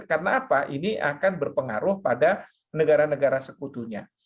karena apa ini akan berpengaruh pada negara negara sekutunya